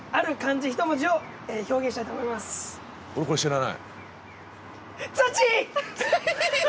俺これ知らない。